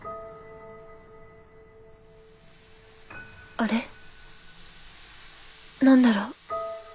あれ何だろう